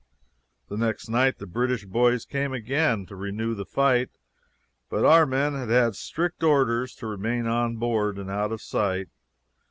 The next night the British boys came again to renew the fight, but our men had had strict orders to remain on board and out of sight.